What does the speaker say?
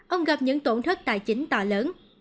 ông gặp những tổn thất tài chính tỏa lớn